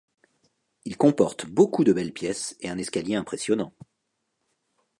Il comporte beaucoup de belles pièces et un escalier impressionnant.